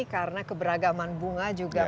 karena keberagaman bunga juga